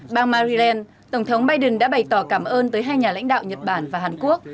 bang maryland tổng thống biden đã bày tỏ cảm ơn tới hai nhà lãnh đạo nhật bản và hàn quốc